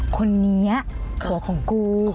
คนนี้ผัวของกู